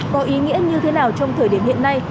có ý nghĩa như thế nào trong thời điểm hiện nay